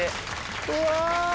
うわ。